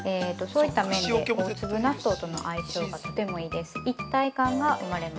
そういった面で大粒納豆との相性がとてもいいです。